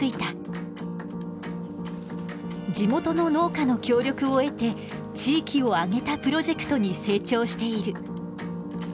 地元の農家の協力を得て地域を挙げたプロジェクトに成長している。